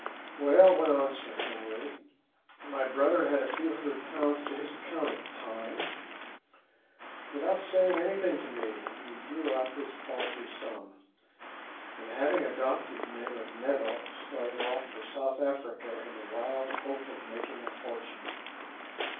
"Well," went on Sir Henry, "my brother had a few hundred pounds to his account at the time. Without saying anything to me he drew out this paltry sum, and, having adopted the name of Neville, started off for South Africa in the wild hope of making a fortune.